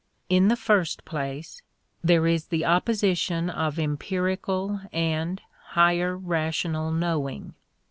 In the first place, there is the opposition of empirical and higher rational knowing.